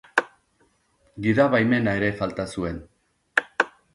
Gida baimena ere falta zuen.